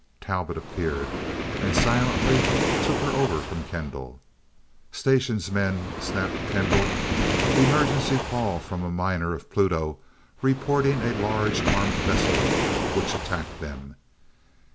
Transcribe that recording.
Talbot appeared, and silently took her over from Kendall. "Stations, men," snapped Kendall. "Emergency call from a miner of Pluto reporting a large armed vessel which attacked them."